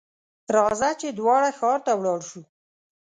راځه ! چې دواړه ښار ته ولاړ شو.